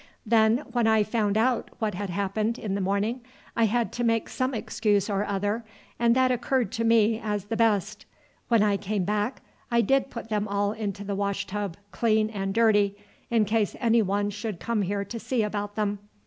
Then when I found what had happened in the morning, I had to make some excuse or other, and that occurred to me as the best. When I came back I did put them all into the wash tub, clean and dirty, in case any one should come here to see about them.